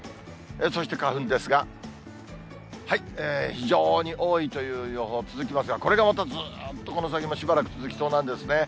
そして、花粉ですが、非常に多いという予報続きますが、これがまたずっとこの先もしばらく続きそうなんですね。